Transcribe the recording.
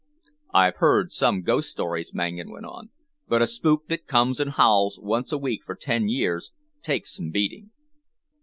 "I've heard some ghost stories," Mangan went on, "but a spook that comes and howls once a week for ten years takes some beating."